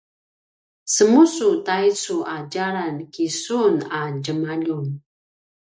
semusu taicu a djalan kisun a djemaljun